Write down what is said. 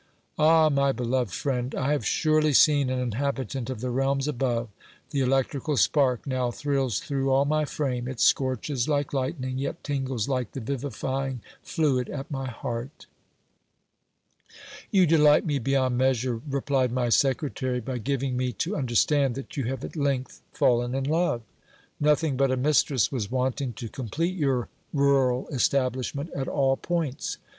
Ah ! my beloved friend, I have surely seen an inhabitant of the realms above ; the electrical spark now thrills through all my frame, it scorches like lightning, yet tingles like the vivifying fluid at my heart. You delight me beyond measure, replied my secretary, by giving me to un derstand that you have at length fallen in love. Nothing but a mistress was wanting to complete your rural establishment at all points.